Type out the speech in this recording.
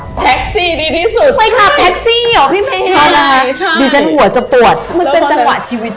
แท็กซี่ดีที่สุดไปขับแท็กซี่เหรอพี่เมย์ดิฉันหัวจะปวดมันเป็นจังหวะชีวิต